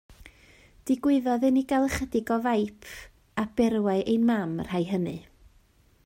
Digwyddodd i ni gael ychydig o faip, a berwai ein mam y rhai hynny.